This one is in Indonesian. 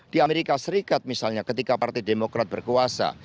di amerika serikat misalnya ketika partai demokrat berkuasa